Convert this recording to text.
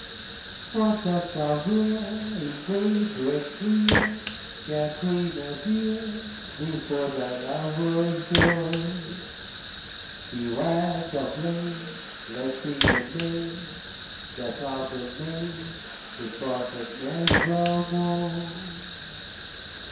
What dost thou here In daybreak clear, Kathrina dear, Before thy lover's door? Beware! the blade Lets in a maid. That out a maid Departeth nevermore!